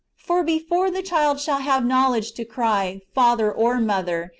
" For before the child shall have knowledge to cry, Father or mother.